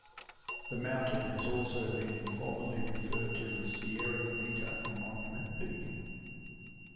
The mountain has also been informally referred to as Sierra Bonita and Monument Peak.